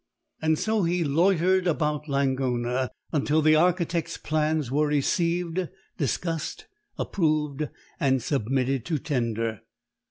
And so he loitered about Langona until the architect's plans were received, discussed, approved, and submitted to tender.